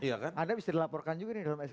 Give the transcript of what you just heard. anda bisa dilaporkan juga nih dalam skb